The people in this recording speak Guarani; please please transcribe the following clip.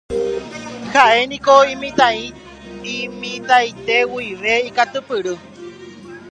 Ha'éniko imitãite guive ikatupyry.